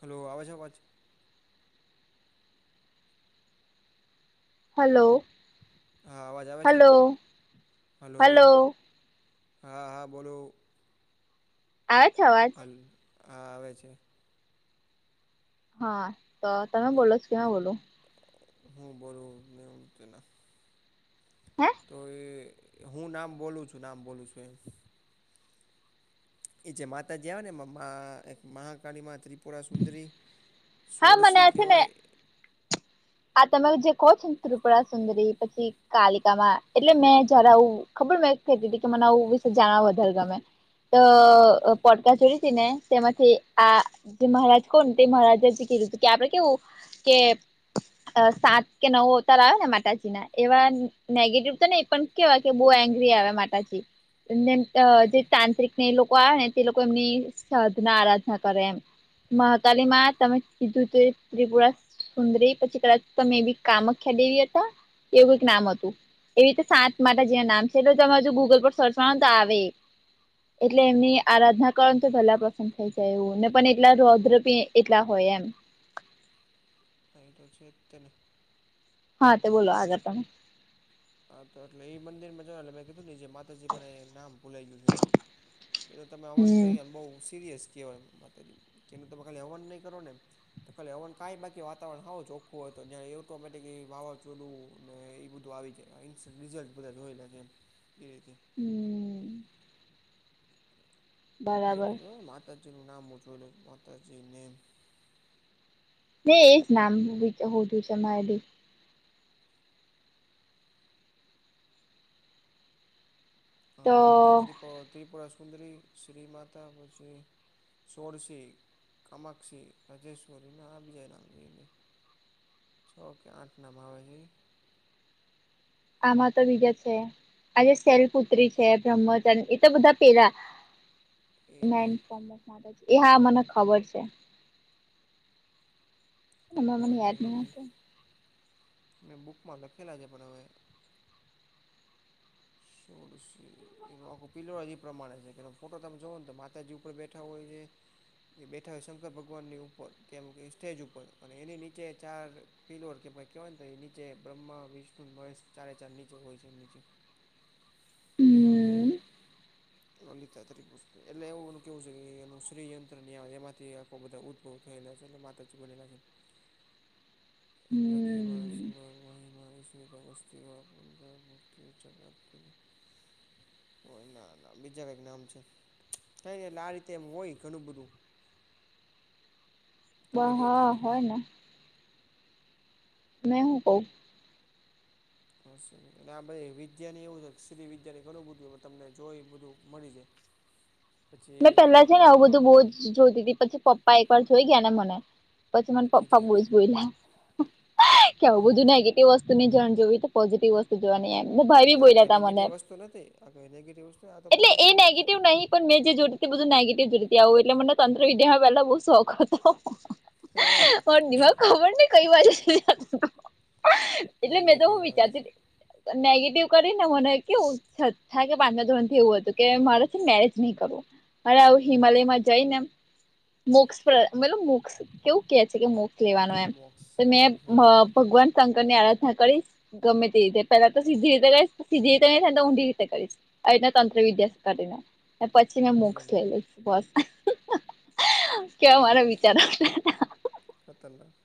હાલો આવજ અવાજ હાલો હા અવાજ આવે છે, હલો હા હા બોલો આવે છે, અવાજ હાલ હા આવે છે. હ તો તમે બોલો કે મે બોલું? હું બોલુ નેમતી ના હે? તો એ હું નામ બોલું છું નામ બોલું છું એમ એ જે માતાજી આવે ને એમાં માં મહાકાળીમાં ત્રિપુરા સુંદરી હા મને સોળસી આ છે ને કહેવાય આા તમે જે કહો છો ને ત્રિપુરા સુંદરી પછી કાલિકામાં એટલે મેં જય્યારે આવું ખબર મે તી હતી કે મને આવું વિશે જાણવા વધારે ગમે હમ દ પોટકા જોરી હતી ને તેમાંથી આ જે મહારાજ કોણ તે મહારાજ એ કી કે આપડે કેવું કે સાત કે નવ અવતાર આવ્યો ને માતાજીના એવા નેગેટિવ તો નહી પણ કેવા કે બહુ એંગ્રી આવે માતાજી ને અ હમ જે તાંત્રિક ને એ લોકો આવે ને તે લોકો એમની શધ ના આરાધના કરે એમ મહાકાલી માં હા તમે સીધું તો ત્રિપુરા સુંદરી પછી કદાચ મે બી કામખ્યા દેવી હતા? એવું કઈક નામ હતું એવી રીતે સાત માતાજીના નામ છે એટલે તમે જો ગૂગલ પર સર્ચ મારો ને તો આવે એટલે એમની આરાધના કર તો પહેલા પસંદ થઈ જાય એવું ને પણ એટલા રૌદ્ર પણ એટલા હોય એમ. અહીં તો છે તેને. હા તે બોલો આગળ તમે. હા તો એટલે ઈ મંદિર માં જો એટલે મેં કીધું ને જે માતા હજી પણ નામ ભુલાઈ ગયું છે એનું એક એનું તમે હવન હમ કહીમ બહું સિરિયસ કહેવાય એમ. માતા કેને તેનું કાલે હવન નહીં કરો ને તો કાલે હવન કાઈ બાકી વાતાવરણ હાવ ચોખ્ખું હોય તો જ ઓટોમેટિક વાવાઝોડુ ને એ બધું આવી જાય. ઇન રિઝલ્ટ બધા જોયેલા છે એમ એ રીતે હમ્મ. એક બરાબર મે માતાજી નું નામ મુ જોય લઉ માતાજી નેમ ને એજ નામ વિચાર હોઉ છે મારે બી તો હા લલિતા ત્રિપુ ત્રિપુરા સુંદરી શ્રી માતા પછી સોળશિ કમાક્ષી રાજેશ્વરીના આ બીજા નામ જોઈએને છ કે આઠ નામ આવે છે ઈ આમાં તો બીજે છે. આજે શેલ પુત્રી છે બ્રહ્મચંદ એ તો બધા પેલા એને માટે એ હા મને ખબર છે. હમણાં મને કમલા યાદ જઈ નહી ને આવતું મેં બુકમાં લખેલા છે પણ હવે સોલશી એનો આખું પીલઓ જ એ પ્રમાણે છે કે ફોટો તમે જોઓ ને તો માતાજી ઉપર બેઠા હોય છે. એ બેઠા હો શંકર ભગવાનની ઉપર કેમ કે સ્ટેજ ઉપર અને એની નીચે ચાર ફીલ ઓવર કે કેહેવાય ને એ નીચે બ્રહ્મા વિષ્ણુ મહેશ ચારે ચાર નીચે હોય છે નીચે. હમ લલિતાતરી એટલે એવું કેવું છે કે એનું શ્રીયંત્ર એમાંથી આખો બધા ઉત્પન્ન બહુ ખયેલા છે એટલે માતાજી બનેલા છે લગી મા હમ શું માં વહી માશ્મિતા વસ્તી હો ભક્ત ચકા પ્રાપ્તિય હોય ના ના બીજા કઈક નામ છે. કઈ એટલે આ રીતે એમ હોય ઘણું બધું બ તમે કયો હા ત્યારે હોયને મેં હું કહું હશે ને આ બધે વિદ્યા ની એવું છે સ્ત્રી વિદ્યા ની ઘણું બધું તમને જોય બધું મળી જાય. પછી મેં પેલા એક છે ને આવું બધું બહુ જ જોતી હતી પછી પપ્પા એક વાર જોઈ ગયા ને મને પછી મને પપ્પા ખીજાઈ બઉ જ બોલ્યા. કેવું આ બધું નેગેટિવ વસ્તુની જાણ જોવી તો પોઝિટિવ વસ્તુ જોવાની એમ ભાઈ બી ગયા આ કઈ બોયતા મને નેગેટિવ વસ્તુ નથી આ કઈ નેગેટિવ વસ્તુ આ તો એટલે એ પોઝિટિવમાં જ આવે નેગેટિવ નહી પણ મેં જે જોતી હતી બધું નેગેટિવ જોડતી આવું એટલે મને તંત્ર વિદ્યા પહેલા બહુ શોખ હતો. હા [inaudible] પણ નિભ ખબર ને કઈ બાજુ. [inaudible] એટલે મેં તો નેગેટિવ હું માણસ વિચારતી. [inaudible] નેગેટિવ કરીને મને કેવું થ કે પાંચમા ધોરણથી એવું હતું કે મારે છે મેરેજ નહીં કરવું. [inaudible] અરે આવું હમ હિમાલયમાં જઈનેમ મોક્ષ. [inaudible] મતલબ મોક્ષ કેવું કે છે કે મોક્ષ લેવાનું એમ મોક્ષ તો મેં હમ ભગવાન. [unintelligible] [inaudible] શંકર ની આરાધના કરીશ ગમે તે રીતે પેલા તો સીધી રીતે કરીશ સીધી રીતે નહી ને તો ઊંડી રીતે કરીશ. [inaudible] એના તંત્ર વિદ્યા કરીને પછી મેં મુૂક. [inaudible] [unintelligible] હમ કેવા મારા બરાબર વિચારો છે ખતરનાક. [unintelligible] [unintelligible]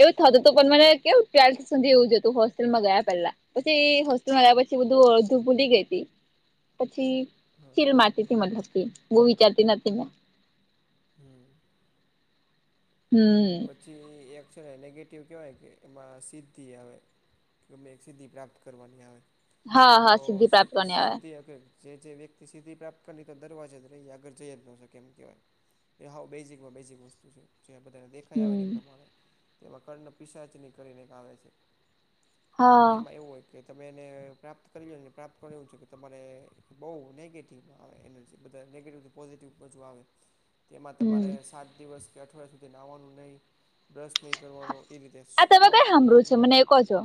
એવું થતું હતું પણ મને કેવું ટ્વેલ્થ સુધી એવુંજ હતું હોસ્ટેલમાં ગયા પેલા. [inaudible] [unintelligible] પછી હોસ્લ આવ્યા પછી બધું અધું બૂલી ગય હતી પછી. [inaudible] [unintelligible] હા ચીલ મારતી ત મલકી બહ વિચારતી નથી મે. [inaudible] [unintelligible] હમ. [inaudible] [unintelligible] હમ. [inaudible] [unintelligible] પછી એક છે ને નેગેટિવ કહેવાય કે એમાં સીધિ આવે. [inaudible] [unintelligible] કે એક સિદ્ધિ પ્રાપ્ત કરવાની આવે હા તો હા સિદ્ધિ પ્રાપ્ત કોને આવે સિદ્ધિ. [inaudible] [unintelligible] [inaudible] જે વ્યક્તિ સીધિ પ્રાપ્ત તો દરવાજે રહીએ આગળ જઈ જ ન શકે એમ કહેવાય. એ હ બેઝિકમાં બેઝિક વસ્તુ છે જે બધાને દે. ખયાવાની હમ પ્રમાણે તેમાં કર્ણ પિસાચની કરીને આવે છે. હા એમાં એવું હોય. કે તમે એને પ્રાપ્ત કરી લો ને પ્રાપ્ત કર એવું છે કે તમારે બહુ નેગેટિવ આવે એ. જે બધા નેગેટિવ થી પોઝિટિવ બજુ આવે. હ. તેમાં તમારે સાત દિવસ કે અઠવાડિયા સુધી નાહવાનું નહીં બ્રશ નહીં કરવાનું. એરિટેજ આ તમે ખાવ કઈ સાંભળ્યું છે ગોભરું. મને એ કહો છો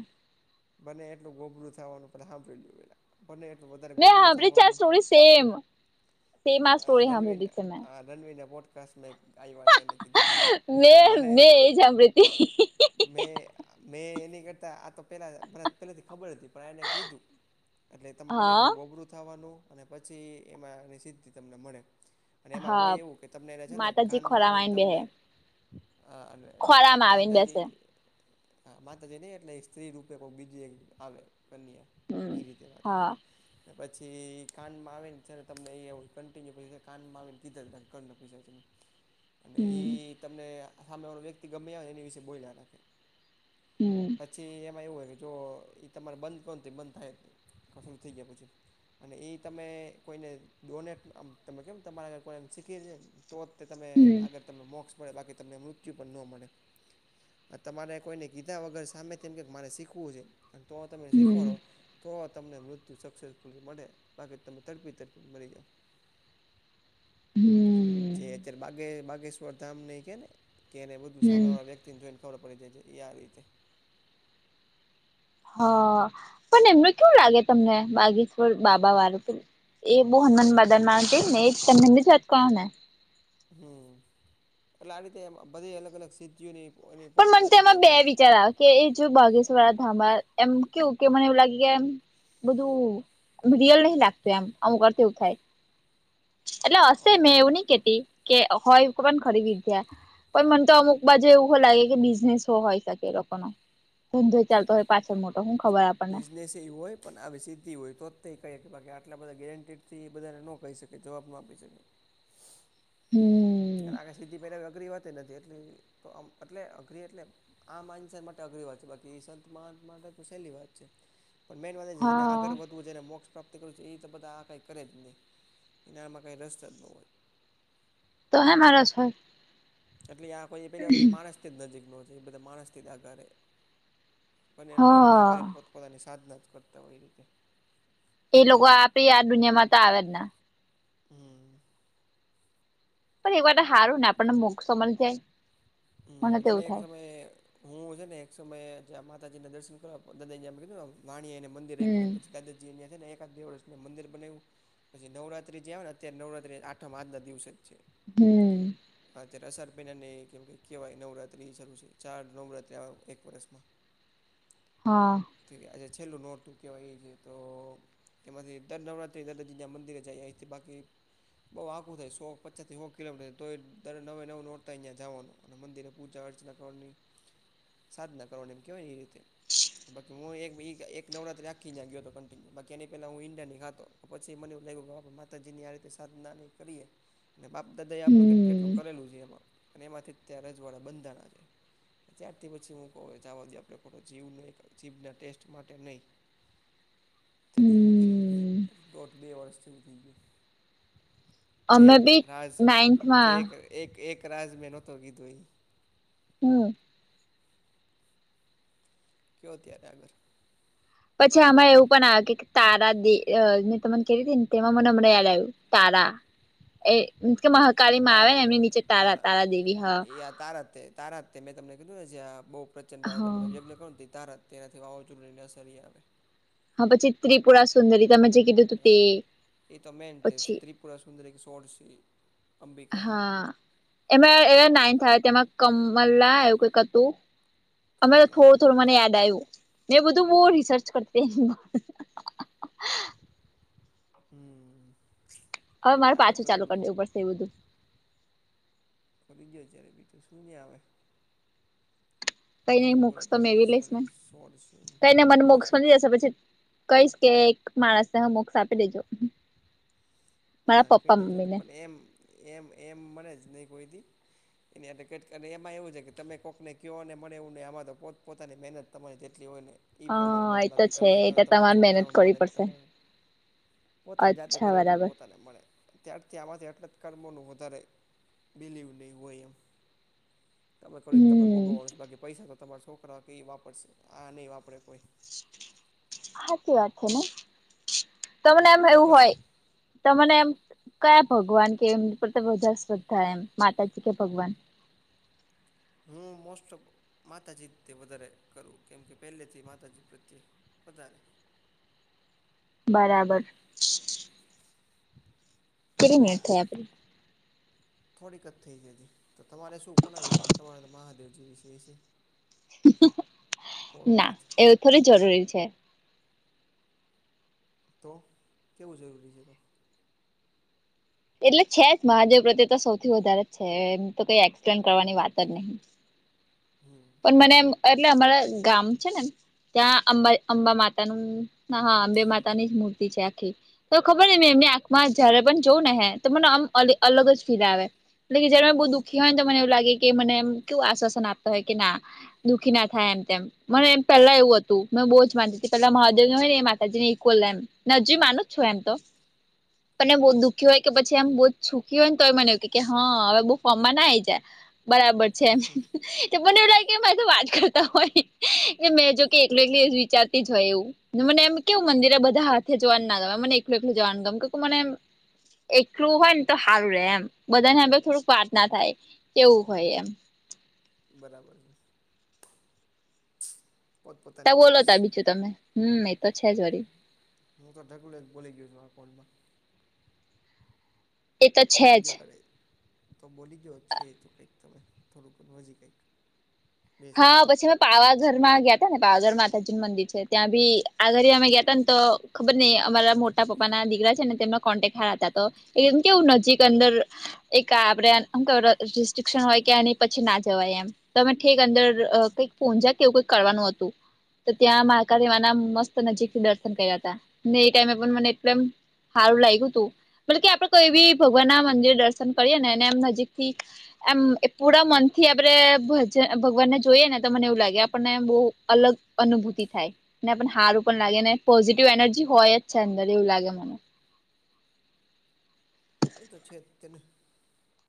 બને એટલું ગોબરું થવાનું પે સાંભળી લેું પેલા. બને એટલું વધારે મેં ગોબરું સાંભળી છે આ થવાનું સ્ટોરી સેમ સેમ આ સ્ટોરી રણવીન. સાંભળેલી છે મેં રણવીને બોડકાસ્ટ ને આ્યાત એને કીધેલું છે. પણ મેં મને મેં એ જ પ્રૃત [unintelligible] [inaudible] [inaudible] [unintelligible] [unintelligible] [inaudible] [inaudible] મેં મેં એની કરતાં આ તો પહેલાં મને પહેલાંથી ખબર હતી. પણ એણે કીધું એટલે તમે બને હા એટલું ગોબરું થવાનું. અને પછી એમાંની સિદ્ધિ તમને મળે. અને એમાં હોય હા એવું કે તમને એને છે ને માતાજી કાનમાં ખોરામાં આવીને તમને. બેસે અને ખોરામાં આવીને માતાજી. બેસે હા માતા જ નહી એટલે સ્ત્રી રૂપે કોક બીજી એક આવે કન્યા હમ એ રીતે વાત હા હતી. પછી કાનમાં આવે ને છે તમને કન્ટિન્યુ પ કાનમાં ને કીધા ત પૈ. [inaudible] [unintelligible] અને એ હમ તમને સામે વાળો વ્યક્તિ ગમ્યા હો એની વિશે બોલલા રાખે. હમ. પછી એમાં એવું હોય કે જો એ તમારે બંધ કોણ બંધ થાય શરૂ થઈ ગયા પછી. અને એ તમે કોઈને ડોનેટ આમ તમે કેમ તમારા આગર કોને શીખે છેને. તો જ તે તમે હમ આગર તમને મોક્ષ મળે બાકી તમને મૃત્યુ પણ ન મળે. તમારે કોઈને ગીધા વગર સામે તેમ એમ કે મારે શીખવું છે અને તો તને હમ શીખવાડો તો. તમને મૃત્યુ સક્સેસફુલી મળે બાકી તમે તડપી તડપી મળી જઓ. હમ. અત બાગેશ્વર ધામને કેને કેને બધું હમ સામે વાળા વ્યક્તિ. ત જોઈને ખબર પડી જાય છે એ આ રીતે. હ પણ એમને કેવું લાગે તમને બાગેશ્વર બાબા વાળું તો. એ બો હનુમાન બદર માંત ને એ તમે મંદી છેત કોણ ને. હ એટલે આ રીતે એમાં બધી અલગ અલગ સિદ્ધિઓની. એની પણ મને પોતપોતાની રીતે તેમાં બે હોય વિચાર આવે. કે એ જોય બાગેશ્વર ધમા એમ કે કે મને એવું લાગે કે એમ. બધું રિયલ નહ લાગતું એમ અમું કરવું થાય. એટલે હશે અમુક મેં એવું નઈ કેતી કે હોય. પણ ખરીદી ગયા પણ મને તો હમ અમુક બાજુ એવું લાગે કે બિઝનેસ, હોય શકે એ લોકો નો ધંધોય ચાલતો હોય પાછળ મોટો હું ખબર આપ બિઝનેસ એ હોય. પણ આવી સીદ્ધિ હોય તો જ તહીં કહીએ કે બાકી આટલા બધા ગેરેંટીડથી એ બધાને ન કહી શકે જવાબ ન આપી શકે. હમ અને આખે સીધી પહેલા અઘરી વાત નથી એટલી તોમ એટલે અઘરી એટલે- આ માનસર માટે અઘરી વાત છે બાકી સંત મા માટે તો સહેલી વાત છે. પણ મેન વાત એ છેને આગળ હા વધ તું જેને મોક્ષ પ્રાપ્ત કરું છું એ તો બધા આ કંઈ કરે જ નહીં એનારમાં કંઈ રસ જ ન હોય. તો હ મા રસ છે. એટલે આ કોઈ પેલી વ માણસથી જ નજીક ન છે એ બધા માણસથી જ આ ઘરે. અને એટલે એનાથી હા આગળને પોતપોતાની સાધના જ કરતા હોય એ રીતે. એ લોકો આપે આ દુનિયામાં તો આવે જ ના. હમ. પણ એ વાર હારું ને આપણને મોગ સમન થાય. હમ મને એક સમયે. હું હ છે ને એક સમયં માતાજીના દર્શન કરો દ કીધું. વાણી અને મંદિર આપ્યું હમ હત પછી દાદાજીયા છેને એકાદ દે વર્ષ ને મંદિર બનાવ્યું. પછી નવરાત્રી જે આવે ને અત્યારે નવરાત્રી આઠમ આજના દિવસ જ છે. હમ. હા તે રસારપીનની કેમ કે, કહેવાય નવરાત્રિ શરૂ છે ચાર નવરાત્રિ આવે એક વરસમાં. હા. આજે છેલ્લું નોટતું કહેવાય એ છે તો કે મા દર નરાત્રે દાદાજી મંદિરે જઈએ ઇથી બાકી બઉ આઘું થાય સો પચાસથી સો કિલોમીટર તો દર નવે નવું નોરતા અહીયા જવાનું. અને મંદિરે પૂજા અર્ચના કરવાની સાધના કરવાની એમ કહેવાય ને એ રીતે. બાકી હું એક એક નવરાત રાખીને ગયો હતો કન્ટિન્યુ બાકી એની પેલા હું ઇન્ડિયાની ખાતો. પછી મને એવું લાગ્યું કે બા માતાજીની આ રીતે સાધનાની કરીએ. અને બાપ દાદા એ હમ કેટલું કરેલું છે એમાં અને એમાંથી ત્યાં રજવાડા બંધાણા છે. ત્યારથી પછી મું કહું છ જ આ બાજી આપણે ખોટો જીવ ન એક જીભના ટેસ્ટ માટે નહીં. ત્યારે તે મૂકી દીધું હમ મેં દોઢ બે વર્ષથી હું થઈ ગયું. ચે અમે એક બી રાઝ નાઈન્થમાં ચેક એક એક રાઝ મે નોતો કીદોઈ- હમ. કયો ત્યારે આગર. પછી આમા એવું પણ આવ્યું કે તારા દેને તને કે હતી ને તેમાં મને અમને યાદ આવ્યું. તારા એ કે મહાકાળી માં આવે તારા ને એમની નીચે તારા તારા દેવી હ એ આ તારા તારા તે મેં તમને કીધું છે બહુ પ્રચંડ તમ હા યજ્ઞ કોણ તારા તેનાથી વાવાઝો ન ન સરી આવે. હા પછી ત્રિપુરા સુંદરી તમે જે કીધું તું તે પછી, પૂરા સુંદર એક શોટ છે. હા એમાં એ નાઇન્થ આવે તમાં કમલા આવું કઈક હતું. અમે તો કમલા થોડું થોડું એટલે મને યાદ એક આવ્યું. મે બધું બ રિસર્ચ કરતી. હમ. હવે એટલે મારે આવે પાછું ઘણું ચાલુ કર બધું દેવું પડશે એવ બધું. ફરી ગયો જય્યારે બીજું શું ્યાં આવે. કઈ ન ત્રિપુરા મોક્ષ તો મેવી લઈશ ને પરમેશ્વરી સોળસી કઈને મને પુરા મોક્ષ મ સોળ જશે પછી. કહીશ કે એક માણસને હ મોક્ષ આપી દેજો. ના મારા એમ કહી પપ્પા દેજુ ને મમ્મી પણ એમ એમ એમ મળે જ નહી કોઈથીી. એની એટલે કે અને એમાં એવું છે કે તમે કોઈકને કહોને મળે એવું હીં આમાં તો પોતપોતાની મહેનત તમારી જેટલી હોય ને. ઈ પ્રમાણે હા મને એ તો બાકી છે તમે એટલે કને તમારા તમારે મહેનત છોકરાઓને કરવી મને પડશે તમારા પોતાની જાતે અચ્છા કરો એટલું બરાબર પોતાને મળે ત્યારથી આમાંથી એટલા જ કર્મોનું વધારે બિલી ઉડે ગો એમ. તમે ખરી તમને હમ ભોગવવાનું છે બાકી પૈસા તો તમારા છોકરા કે એ વાપરશે આ નહીં વાપરે કોઈ સાચી વાત છે ને તમને તો એમ કયો એવું પછી હોય. તને એમ કયા ભગવાન કે એમની પર બધા શ્રદ્ધા એમ માતાજી કે ભગવાન. હમ મોસ્ટફ માતાજી તે વધારે કરવું કેમ કે પહેલેથી માતાજી પ્રત્યે વધારે બરાબર કેટલી મિનિટ થાય આપે. થોડીક જ થઈ છે હજી તો તમારે શું કોના વિશે તમારા મહાદેવજી વિશે છે. ના ભોળોનાથ એવું થોડું જરૂરી છે. તો કેવું જરૂરી છે તો એટલે છે જ મહાદેવ પ્રત્યે તો સૌથી વધારે જ છે એમ તો કઈ એક્સપ્લેન કરવાની વાત જ નહીં. હમ પણ મને એમ એટલે અમારા ગામ છે ને એમ ત્યાં અંબા અંબા માતા નું હા અંબે માતા ની જ મૂર્તિ છે આખી તો ખબર મે એમની આંખમાં જયારે પણ જોઉં ને હે તો મને આમ અલગ જ ફીલ આવે. લ જયારે મ બહુ દુઃખી હો ને મનેવું લાગે કે મને એ કેવ આશ્વાસન આપ હો કે ના દુઃખી ના થાય એમ તેમ. મને એમ પેલા એવું હતુંં બહુ જ માનતી હતી પેલા મહાેવને હોય ને એ માતાજી ને ક્વલ એમ. નજી માનું છો એમ તો. મને બુ દુઃખી હોય કે પછી એમ બહુ સુખી હોય ને તો એ મને એવું કે હા હવે બહુ ફોર્મમાં ના આઈ જાય. બરાબર છે એમ. મને એવું લાગે મા તો વાત કરતા હોય મેં જો કે એકલી એકલી વિચારતી જ હોય એવું. મને એમ કેવું મંદિર એ બધા હાથે જોવાનું ના ગમે મને એકલું એકલું જવાનું ગ કે મનેમ એકલું હોય ને તો સારું રહેે એમ બધાને હ થોડુંક વાત ના થાય કેવું હોય એમ. બરાબર છે પોતપોતાની બોલો ચોઈસ ત બીજું તમે હમ એ તો છે જ વરી હું તો ડક્યુલે બોલી ગયો છું આ કોઉન્ટમાં એ તો છે કઈ જ જો કરે તો બોલી દો છે એ તો કંઈક તમે થોડુંક હજી કંઈક બે હા શબ્દો પછી. પાવાગર માં ગયાતા ને પાવાગર માતાજી નું મંદિર છે ત્યાં ભી આ ઘરે અમે ગયાતા ને તો ખબર નને અમારા મોટા પપ્પા ના દીકરા છે ને તેમના કોન્ટેક હાર હતા તો એકમ કેવું નજીક અંદર એક આપડેમ રિસ્ટ્રિક્શન હોય કે એ પછી ના જવાય એમ તમે. કક અંદર કંઈક પજ્યા કે એવું કઈક કરવાનું હતું. તો ત્યાં માકા દેવા ના મસ્ત નજીક થી દર્શન કર્યા હતા ને એ ટાઈમે પણ મને એલે સારું લાગ્યું હતું બ કે આપડે કોઈ બી ભગવાન ના મંદિર દર્શન કરીએે ને એનેમ નજીક થી આ એ પુડા મનથી. ભગવાન ને જોઈએ ને તો મને એવું લાગે આપણને બહુ અલગ અનુભૂતિ થાય. ને પણ સારું પણ લાગે ને પોઝિટિવ એનર્જી હોય જ છે અંદર એવું લાગે મને. એ તો છે તેને.